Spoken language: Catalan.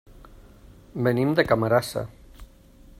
Venim de Camarasa.